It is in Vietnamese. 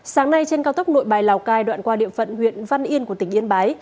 sáng nay trên cao tốc nội bài lào cai đoạn qua địa phận huyện văn yên của tỉnh yên bái